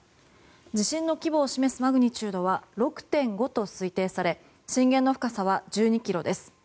地震の規模を示すマグニチュードは６．５と推定され震源の深さは１２ｋｍです。